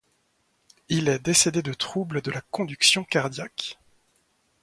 Il est décédé de troubles de la conduction cardiaque.